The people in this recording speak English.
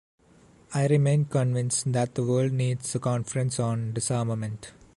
I remain convinced that the world needs a Conference on Disarmament.